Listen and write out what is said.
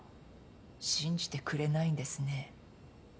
信じてくれないんですね。